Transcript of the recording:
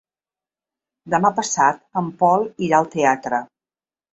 Demà passat en Pol irà al teatre.